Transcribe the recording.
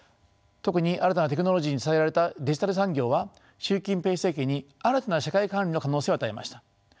特に新たなテクノロジーに支えられたデジタル産業は習近平政権に新たな社会管理の可能性を与えました。